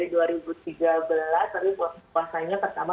dari dua ribu tiga belas tapi puasanya pertama dua ribu empat belas